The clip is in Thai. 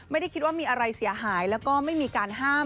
ไม่ได้คิดว่ามีอะไรเสียหายแล้วก็ไม่มีการห้าม